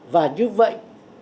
và như vậy